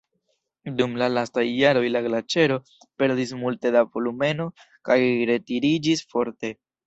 Dum la lastaj jaroj la glaĉero perdis multe da volumeno kaj retiriĝis forte.